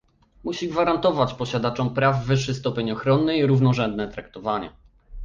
musi gwarantować posiadaczom praw wyższy stopień ochrony i równorzędne traktowanie